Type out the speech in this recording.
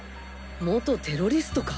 元テロリストか。